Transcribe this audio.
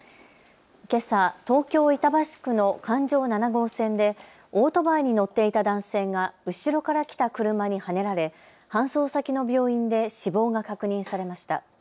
けさ、東京板橋区の環状７号線でオートバイに乗っていた男性が後ろから来た車にはねられ搬送先の病院で死亡が確認されました。